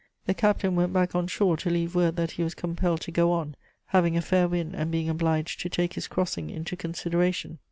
The captain went back on shore to leave word that he was compelled to go on, having a fair wind and being obliged to take his crossing into consideration.